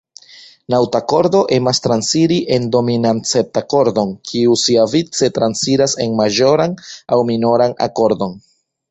Naŭtakordo emas transiri en dominantseptakordon, kiu siavice transiras en maĵoran aŭ minoran akordon.